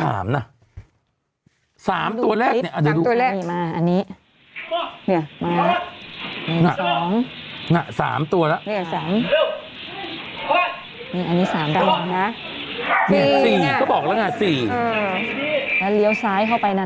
สามดาวนะสี่ก็บอกแล้วน่ะสี่เออแล้วเลี้ยวซ้ายเข้าไปน่ะ